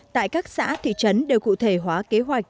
tại các xã thị trấn đều cụ thể hóa kế hoạch